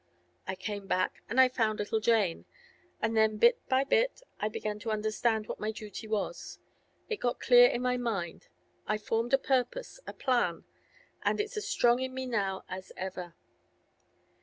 I came back, and I found little Jane, and then bit by bit I began to understand what my duty was. It got clear in my mind; I formed a purpose, a plan, and it's as strong in me now as ever.